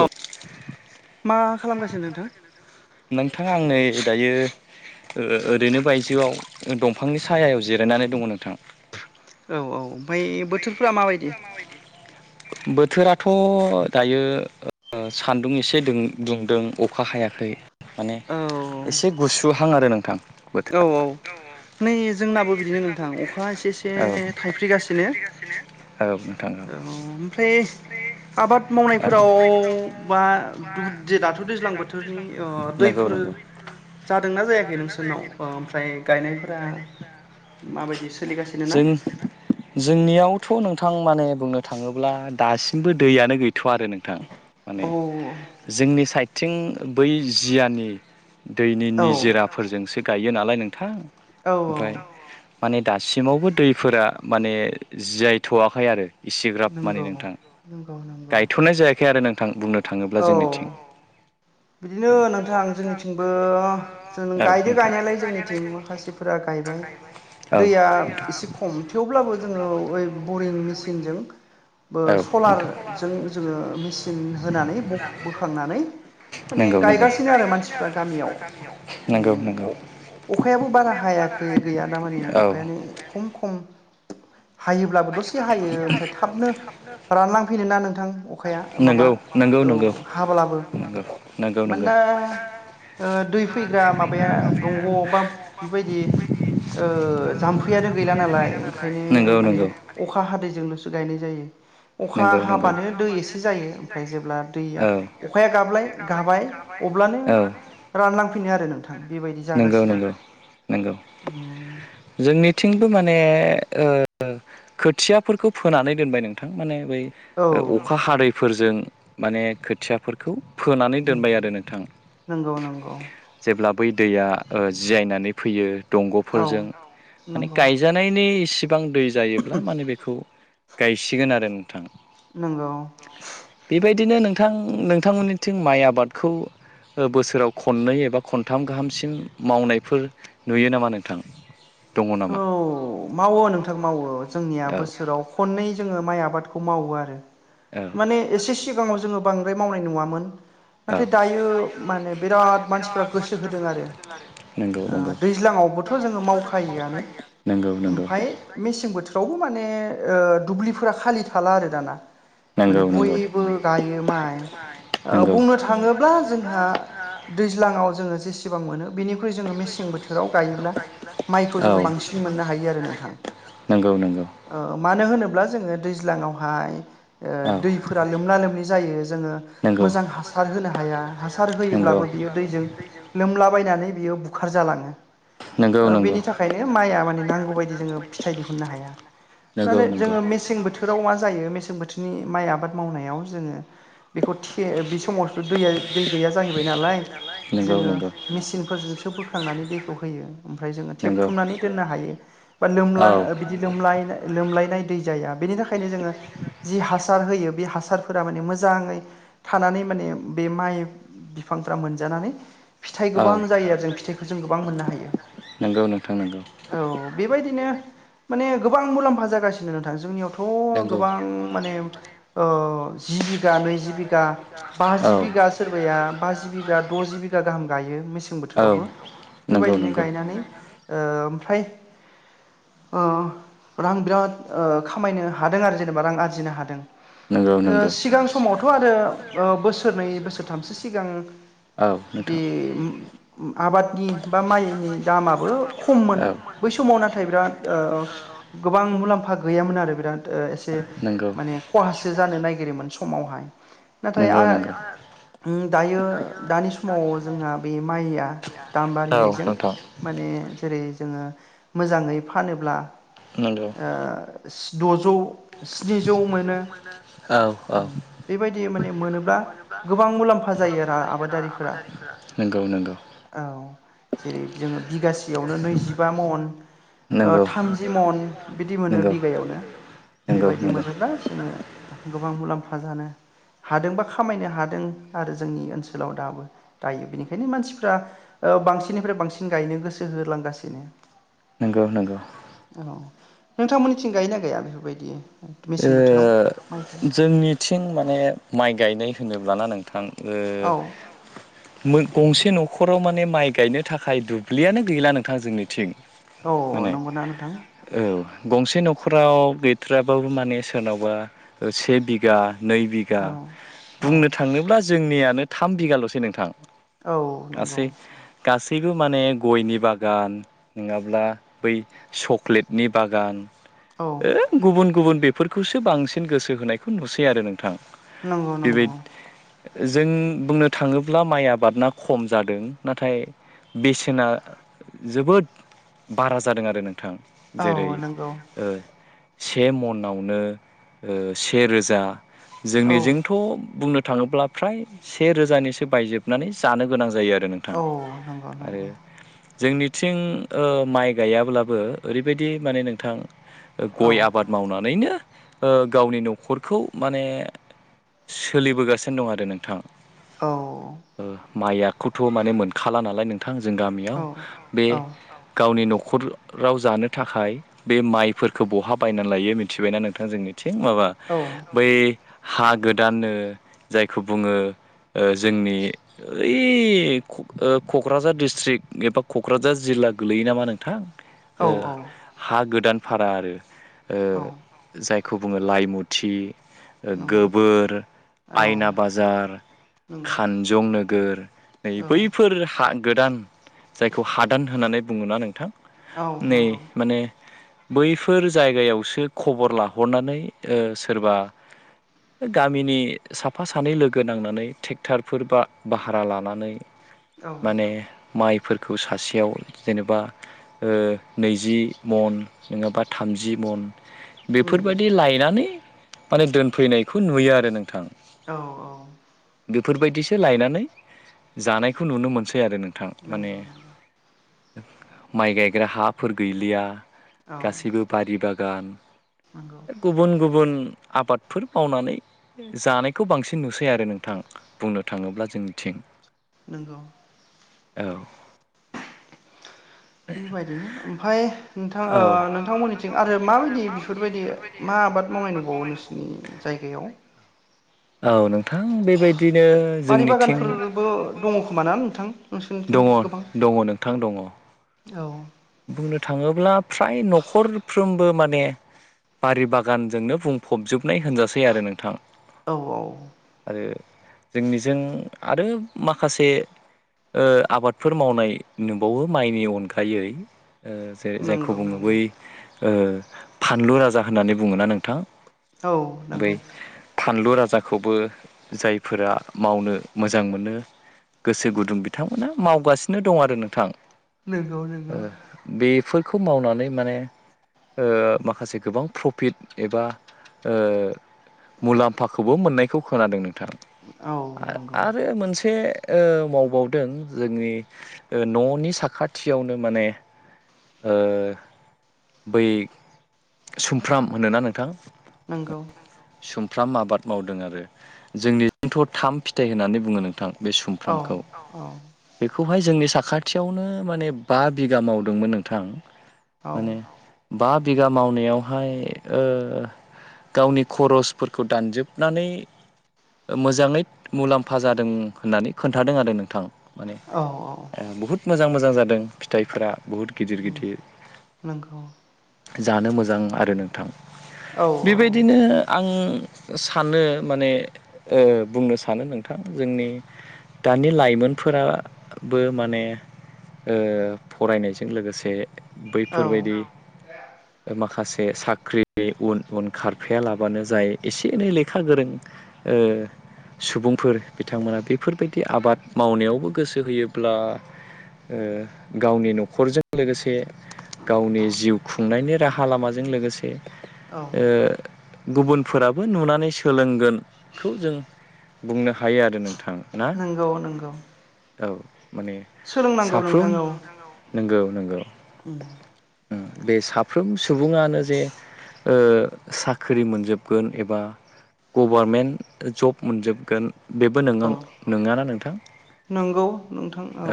औ मा खालामगासिनो नोंथां नोंथां आं नै दायो ओ ओरैनो बायजोआव दंफांनि सायायाव जिरायनानै दङ नोंथां औ औ ओमफ्राय बोथोरफ्रा माबायदि बोथोराथ' दायो सान्दुं एसे दुंदों अखा हायाखै माने औ एसे गुसुहां आरो नोंथां औ औ बोथोरा नै जोंनाबो बिदिनो नोंथां अखा एसे एसे थाइफ्रिगासिनो नोंथां औ। औ ओमफ्राय आबाद मावनायफोराव बा दु दि दाथ' दैज्लां बोथोरनि ओ दै नोंगौ नंगौ जादोंना जायाखै नोंसोरनाव ओमफ्राय गायनायफोरा माबायदि सोलिगासिनो ना जों जोंनियावथ' नोंथां माने बुंनो थाङोब्ला दासिमबो दैयानो गै थ'वा आरो नोंथां माने औ जोंनि साइडथिं बै जियानि दैनि औ निजोराफोरजोंसो गायो नालाय नोंथां औ ओमफ्राय माने दासिम सिमावबो दैफोरा माने जियायथ'वाखै आरो इसेग्राब माने नंगौ नोंथां नंगौ नंगौ गायथ'नाय जायाखै आरो नोंथां बुंनो थाङोब्ला जोंनिथिं औ बिदिनो नोंथां जोंनिथिंबो जों गायदो गायनायालाय जोंनिथिं माखासेफोरा गायबा औ एसे खम थेवब्लाबो जोङो ओ बरिं मेसिनजों सलारजों जोंङो मेसिन होनानै बोखांनानै माने नंगौ नंगौ गायगासिनो आरो मानसिफ्रा गामियाव उम नंगौ- नंगौ अखायाबो बारा हायाखै गैया दा मानि अखायानो खम खम हायोब्लाबो दसे हायो ओमफ्राय थाबनो रानलांफैनो ना नोंथां अखाया माबा नंगौ नंगौ नंगौ औ हाब्लाबो नंगौ नंगौ मानोना दै फैग्रा माबाया दंग आ बा बेबायदि जाम्फैयानो गैला नालाय ओंखायनो माने अखा हादैजोंल'सो गायनाय जायो। अखा हाबानो दै एसे जायो ओमफ्राय जेब्ला दैया अखाया गाबलाय गाबाय अब्लानो रानलांफैनो आरो नोंथां बेबायदि नंगौ - जागासिनो नंगौ - नंगौ उम जोंनिथिंबो माने खोथियाफोरखौ फोनानै दोनबाय नोंथां माने बै औ अखा हादैफोरजों माने खोथियाफोरखौ फोनानै उम दोनबाय आरो नोंथां नंगौ नंगौ जेब्ला बै दैया जियनानै फैयो औ दंग'फोरजों माने नंगौ गायजानायनि इसिबां दै जायोब्ला माने बेखौ गायसिगोन आरो नोंथां नंगौ बेबायदिनो नों नोंथां नोंथांमोननिथिं माइ आबादखौ बोसोराव खननै एबा खनथाम गाहाम सिम मावनायफोर नुयो नामा नोंथां दङ नामा? औ मावो नोंथां मावो जोंनिया बोसोराव खननै जोंङो माइ आबादखौ खौ मावो आरो आरो। माने एसे सिगाङाव जोंङो बांद्राय मावनाय नुवामोन औ नाथाय दायो माने बिराद मानसिफ्रा गोसो होदों आरो नंगौ नंगौ दैज्लां [unintelligible] जों मावखायोनो नंगौ नंगौ मेसें बोथोराव माने माने दुब्लिफोरा खालि थाला आरो दाना माने नंगौ नंगौ। बयबो गायो माइ हायो आरो बुंनो थांङोब्ला जोंहा दैज्लाङाव जोंङो जेसे सेबां मोनो बिनिख्रुइ जोंङो मेसें बोथोराव गायोब्ला माइखौ जों बांसिन मोननो हायो नोंथां नोंथां। नंगौ नंगौ मानो होनोब्ला अब्ला जोंङो दैज्लाङावहाय औ। दैफोरा लोमना लोमनि जायो जोंङो नंगौ। मोजां हासार होनो हाया हासार होयोब्लाबो बियो दैजों लोमलाबायनानै बियो बुखार जालांङो नंगौ - नंगौ माया माने नांगौ बायदि जोंङो फिथाइ दिहुननो हाया नंगौ माने नंगौ। जोंङो मेसें बोथोराव मा जायो मेसें बोथोरनि माइ आबाद मावनायाव जोंङो बेखौ थे बे समाव दैया दै गैया जाहैबाय नालाय जोङो मेसिंनफोरजोंसो बोखांनानै दैखौ होयो ओमफ्राय जोंङो नंगौ थेबथुमनानै दोननो हायो बा लोमां औ बिदि ल लोमलायनाय दै जाया बेनि थाखायनो जों जि हासार हो बे हासारफोरा माने मोजांङै थानानै माने बे माइ बिफांफ्रा मोनजानानै फिथाइ होयो औ गोबां जायो आरो जों फिथाइखौ जों गोबां मोननो हायो जों गोबां मोननो हायो नंगौ नोंथां नंगौ औ बेबायदिनो माने गोबां मुलाम्फा जागासिनो नोंथां जोंनियावथ' गोबां माने जिबि नैजि बिघा औ बाजि बिघा सोरबाया बाजि बिघा द'जि बिघा गाहाम गायो मेसें गाहाम गायो औ बोथोरावबो नंगौ बेबायदिनो गायनानै ओमफ्राय रां बिराद खामायनो हादों आरो जेनेबा रां आरजिनो हादों नंगौ नंगौ औ सिगां समावथ' आरो बोसोरनै बोसोरथामसो सिगां बे नोंथां आबादनि बा माइनि दामा खममोन बै समाव नाथाय बिराद गोबां मुलाम्फा गैयामोन आरो बिराद एसे नंगौ माने खहासो जानो नागिरोमोन समावहाय नाथाय आ नंगौ नंगौ दायो दानि समाव जोंहा बे माइया दाम औ बारिनायजों माने जेरै जोङो मोजाङै फानोब्ला नंगौ दजौ स्निजौ मोनो औ औ बेबायदि माने मोनोब्ला गोबां मुलाम्फा जायो आरो आबादारिफोरा नंगौ नंगौ औ जेरै जोङो बिगासेयावनो नैजिबा महन नंगौ थामजि मन बिदि मोनो नंगौ बिगायावनो नंगौ बेबायदि मोनोब्ला जोङो गोबां मुलाम्फा जानो हादों बा खामायनो हादों आरो जोंनि ओनसोलाव दाबो दायो बेनिखायनो मानसिफ्रा बांसिननिफ्राय बांसिन गायनो गोसो होलांगासिनो नोंगौ नोंगौ औ नोंथांमोननिथिं गायोना गैया बेफोरबायदि मेसें बोथोराव माइफोर जोंनिथिं माने माइ गायनाय होनोब्लाना नोंथां औ मोन गंसे न'खराव माने माइ गायनो थाखाय दुब्लियानो गैला नोंथां जोंनिथिं औ माने नंगौना नोंथां औ गंसे न'खराव गैथ्राबाबो माने सोरनावबा से बिगा नै बिघा औ औ बुंनो थाङोब्ला जोंनियानो थाम बिगालसै नोंथां औ नंगौ बयबो माने गयनि बागान नङाब्ला बै सक्लेटनि बागान औ गुबुन गुबुन बेफोरखौसो बांसिन गोसो होनायखौ नुसै आरो नों नंगौ नंगौ जों बुंनो थाङोब्ला माइ आबादा खम जादों नाथाय बेसेना जोबोद बारा जादों आरो नों थां जेरै औ नंगौ से मनावनो से रोजा औ जोंनिजोंथ‌ बुंनो थाङोब्ला फ्राय से रोजानिसो बायजोबनानै जानो गोनां जायो नोंथां औ नंगौ आरो नंगौ जोंनिथिं माइ गायाब्लाबो ओरैबायदि माने नोंथां औ गय आब बिनो गावनि न'खरखौ माने सोलिबोगासिनो दं आरो नोंथां औ माइयाखौथ माने मोनखाला नालाय नोंथां थां जों गामियाव औ बे गावनि न'खर न'खराव जानो थाखाय बे माइफोरखौ बहा बायनानै लायो मिथिबायना नोंथां जोंनि थिं माबा बै हा गोदाननो जायखौ बुङो जोंनि ओइ कक्राझार डस्ट्रिक्ट एबा कक्राझार जिल्ला ला गोलैयो नामा नोंथां औ हा गोदान फारा आरो ओ औ जायखौ बुङो लाइमुथि नंगौ गोबोर औ आयना बाजार नंगौ खानजं नोगोर नै औ बैफोर हा गोदान जायखौ हादान होननानै बुङोना नोंथां औ नै नंगौ माने बैफोर जायगायावसो खबर लाहरनानै सोरबा गामिनि साफा सानै लोगो नांनानै ट्रेक्टरफोर बा भाहारा लानानै औ माने माइ फोरखौ सासेयाव जेनेबा नैजि मन ङाबा थामजि मन उम बेफोरबायदि लायनानै माने दोनफैनायखौ नुयो आरो नोंथां औ औ बेफोरबायदिसो लायनानै जानायखौ नुनो मोनसै आरो नोंथां माने नंगौ नंगौ माइ गायग्रा हाफोर गैलिया औ बि बागान नंगौ गुबुन गुबुन आबादफोर मावनानै जानायखौ बांसिन नुसै आरो नोंथां बुंनो थाङोब्ला जोंनिथिं नोंगौ औ बेबायदिनो ओमफ्राय नोंथां औ नोंथांमोननिथिं आरो माबायदि बेफोरबायदि मा आबाद मावनाय दंबावो नोंसोरनि जायगायाव औ नोंथां बेबायदि बारि बागानफोरबो दङ खोमाना नोंथां नोंसोरनिथिं दङ गोबां दङ नोंथां दङ औ बुंनो थाङोब्ला फ्राय न'खर साफ्रोमबो माने बारि बागानजोंनो बुंफबजोब नाय होनजासै आरो नोंथां औ औ आरो जोंनिजों आरो माखासे आबादफोर मावनाय नुबावो माइनि अनगायै ओ जेरै जायखौ नंगौ बुङो बै नंगौ फानलु राजा होननानै बुङोना नोंथां औ बै नंगौ फानलु राजाखौबो जायफोरा मावनो मोजां मोनो गोसो गुदुं बिथांमोना मावगासिनो दं आरो नोंथां नंगौ नोंगौ बेफोरखौ मावनानै माने माखासे गोबां प्रफिट एबा मुलाम्फाखौबो मोननायखौ खोनादों नोंथां औ नंगौ आरो मोनसे मावबावदों जोंनि न'नि साखाथियावनो माने बै सुमफ्राम होनोना नोंथां नोंगौ सुमफ्राम आबाद मावदों आरो जोंनिथिं थ थाम फिथाइ होननानै बुङो नोंथां बे औ सुमफ्रामखौ औ बेखौहाय जोंनि साखाथियावनो मे बा बिघा मावदोंमोन नोंथां औ माने बिगा मावनायावहाय गावनि खरसफोरखौ दानजोबनानै मोजाङै मुलाम्फा जादों होननानै खोन्थादों आरो नोंथां माने औ औ बहुद मोजां मोजां जादों फिथाइफोरा बहुत गिदिर गिदिर नंगौ जानो मोजां आरो नोंथां औ औ बेबायदिनो आं सानो माने बुंनो सानो नोंथां जोंनि दानि लाइमोनफोराबो माने फरायनायजों लोगोसे औ बैफोरबायदि माखासे साख्रिनि उन उन खारफायालाबो बानो जाय एसे एनै लेखा गोरों सुबुंफोर बिथांमोना बेफोरबायदि आबाद मावनायावबो गोसो होयोब्ला गावनि न'खरजों लोगोसे गावनि जिउ खुंनायनि राहा लामाजों लोगोसे औ गुबुनफोराबो नुनानै सोलोंगोनखौ जों बुंनो हायो आरो नों नोंथां ना नंगौ नंगौ औ माने सोलोंनांगौ साफ्रोम नोंथां औ नंगौ नंगौ बे साफ्रोम सुबुङानो जे साख्रि साख्रि मोनजोबगोन एबा गभारमेन्ट जब मोनजोबगोन बेबो औ नोंगं नङा ना नोंथां नंगौ नोंथां औ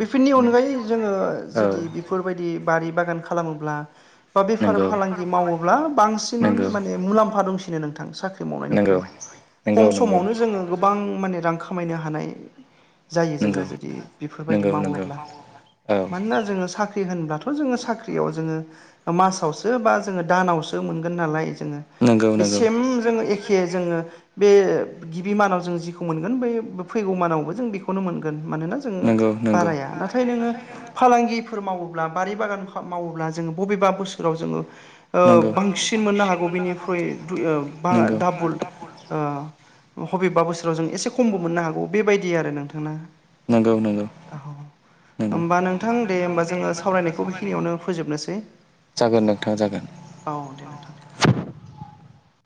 बेफोरनि अनगायै जोङो जुदि बेफोरबायदि बारि बागान खालामोब्ला बा बेफार फालांगि मावोब्ला बांसिन माने मुलाम्फा दंसिनो नोंथां सा ख्रि नोंथां साख्रि मावनायनिख्रुइ खम मावनायनिख्रुइ समावनो जोङो गो माने रां खामायनो हानाय जायो जोङो नंगौ जुदि बेफोरबायदि नंगौ मावोब्ला औ मानोना जोङो साख्रि होनब्ला थ' जोङो साख्रियाव जोङो मासावसो बा जोङो दानावसो मोनगोन नालाय जोङो नंगौ बे नंगौ सेम जोहो एखे जोङो बे गिबि मानाव जों जिखौ मोनगोन बे फैगौमानावबो जों बेखौनो मोनगोन। मानोना जोङो नंगौ नंगौ बाराया नाथाय नोङो फालांगि फोर मावोब्ला बारि बागान मावोब्ला जोङो बबेबा बोसोराव जोङो ओ नंगौ बांसिन मोननो हागौ बेनिख्रुइ दाबुल बबेबा बोसोराव जों एसे खमबो मोननो हागौ बेबायदि आरो नोंथां ना नंगौ नंगौ नंगौ होमबा नोंथां दे होमबा जोङो सावरायनायखौ बेखिनियावनो फोजोबनोसै जागोन नोंथाङा औ दे नोंथां जागोन। [inaudible]